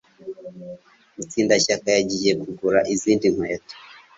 Mutsindashyaka yagiye kugura izindi nkweto.